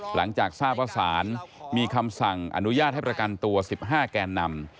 หลังจากทราบว่าศาลมีคำสั่งอนุญาตให้ประกันตัว๑๕แกนนำ